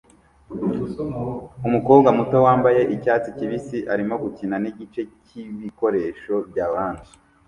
Umukobwa muto wambaye icyatsi kibisi arimo gukina nigice cyibikoresho bya orange